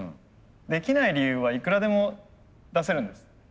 できない理由はいくらでも出せるんです。